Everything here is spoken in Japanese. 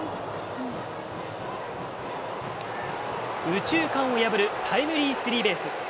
右中間を破るタイムリースリーベース。